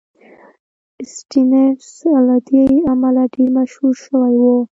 سټېفنس له دې امله ډېر مشهور شوی و